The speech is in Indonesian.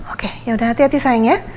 oke yaudah hati hati sayang ya